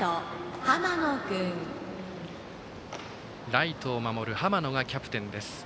ライトを守る濱野がキャプテンです。